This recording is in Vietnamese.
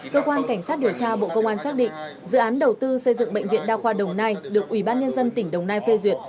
cơ quan cảnh sát điều tra bộ công an xác định dự án đầu tư xây dựng bệnh viện đa khoa đồng nai được ủy ban nhân dân tỉnh đồng nai phê duyệt